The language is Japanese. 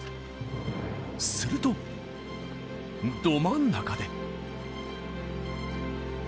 すると、ど真ん中で。